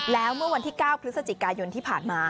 แล้วเมื่อวันที่๙พฤศจิกายนที่ผ่านมา